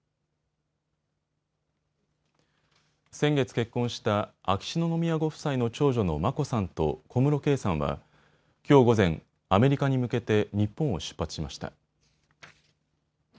先月、結婚した秋篠宮ご夫妻の長女の眞子さんと小室圭さんはきょう午前、アメリカに向けて日本を出発しました。